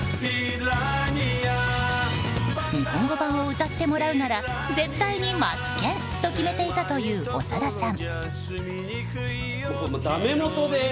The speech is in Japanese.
日本語版を歌ってもらうなら絶対にマツケンと決めていたという長田さん。